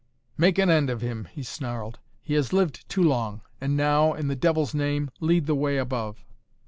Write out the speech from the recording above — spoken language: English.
"Make an end of him!" he snarled. "He has lived too long. And now, in the devil's name, lead the way above!"